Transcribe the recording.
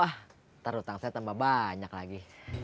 ntar hutang saya tambah banyak lagi